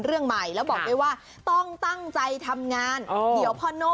เรื่องใหม่แล้วบอกไปว่าต้องตั้งใจทำงาน